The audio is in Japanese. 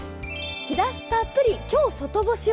日ざしたっぷり今日外干しを。